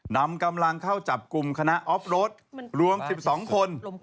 นำกำลังเข้าจับกลุ่มคณะออฟโรดรวม๑๒คน